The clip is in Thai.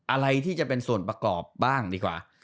อะไรที่จะเป็นส่วนประกอบบ้างดีกว่า